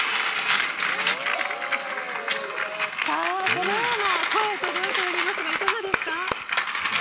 このような声が届いておりますがいかがですか。